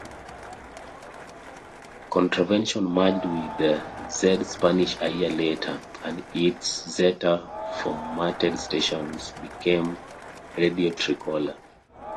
Contravention merged with Z-Spanish a year later, and its Zeta-formatted stations became Radio Tricolor.